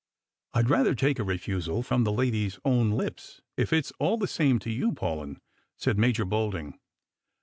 " I'd rather take a refusal from the lady's own lips, if it's all the same to you, Paulyn," said Major Bolding.